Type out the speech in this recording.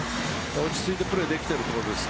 落ち着いてプレーできていると思います。